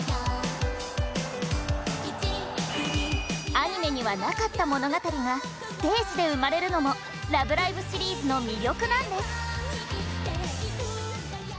アニメにはなかった物語がステージで生まれるのも「ラブライブ！」シリーズの魅力なんです。